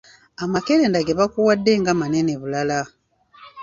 Amakerenda ge bakuwadde nga manene bulala.